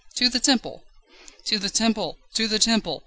"To the Temple!" "To the Temple! To the Temple!"